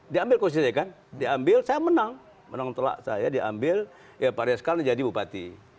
diambil kursis saya kan diambil saya menang menang telak saya diambil pak rias khan jadi bupati